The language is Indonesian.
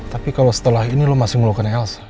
tapi kalau setelah ini lo masih ngeluh ke elsa